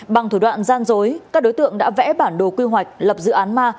bằng thủ đoạn gian dối các đối tượng đã vẽ bản đồ quy hoạch lập dự án ma